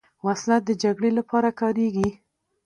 وسله د جګړې لپاره کارېږي